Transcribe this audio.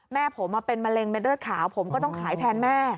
แม่ผมเป็นมะเร็งเด็ดเลือดขาวผมก็ต้องขายแทนแม่